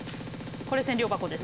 これ千両箱です。